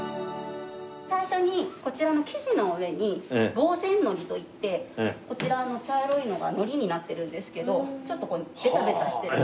最初にこちらの生地の上に防染糊といってこちらの茶色いのが糊になってるんですけどちょっとベタベタしてる。